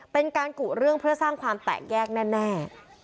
เป็นการกุเรื่องเพื่อสร้างความแตกแยกแน่